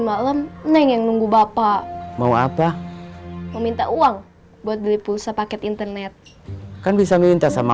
malam neng yang nunggu bapak mau apa meminta uang buat beli pulsa paket internet kan bisa minta sama